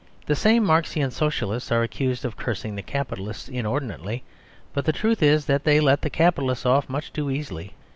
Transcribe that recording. The same Marxian Socialists are accused of cursing the Capitalists inordinately; but the truth is that they let the Capitalists off much too easily.